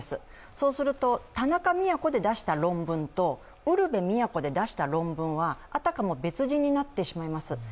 そうすると、田中京で出した論文とウルヴェ京で出した論文はあたかも別人になってしまいます。